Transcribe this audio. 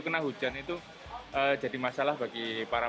kena hujan itu jadi masalah bagi para